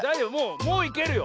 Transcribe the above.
もういけるよ。